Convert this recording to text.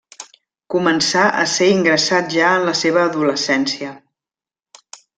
Començà a ser ingressat ja en la seva adolescència.